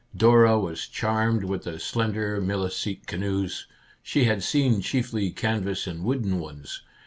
Dora was charmed with the slender Milicete canoes. She had seen chiefly canvas and wooden ones.